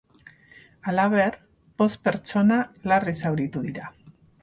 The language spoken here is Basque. Halaber, bost pertsona larri zauritu dira.